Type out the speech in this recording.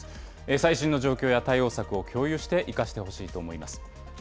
最新の状況や対応策を共有して生かしてほしいと思います。